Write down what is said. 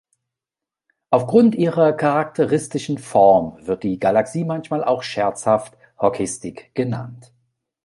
Aufgrund ihrer charakteristischen Form wird die Galaxie manchmal auch scherzhaft "hockey stick" genannt.